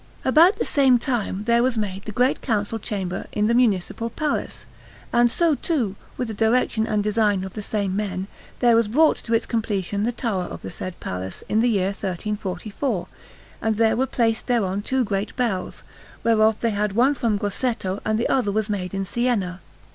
About the same time there was made the Great Council Chamber in the Municipal Palace; and so too, with the direction and design of the same men, there was brought to its completion the tower of the said Palace, in the year 1344, and there were placed thereon two great bells, whereof they had one from Grosseto and the other was made in Siena.